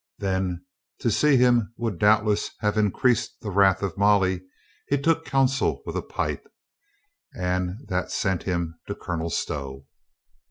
Then — to see him would doubtless have in creased the wrath of Molly — he took counsel with a pipe. And that sent him to Colonel Stow.